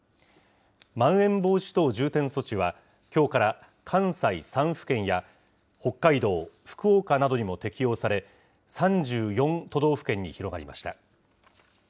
まん延防止等重点措置は、きょうから関西３府県や、北海道、福岡などにも適用され、３４都道府県に広がりました。